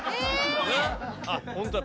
あっホントだ。